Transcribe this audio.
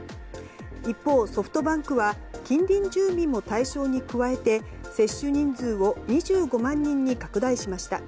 一方、ソフトバンクは近隣住民も対象に加えて接種人数を２５万人に拡大しました。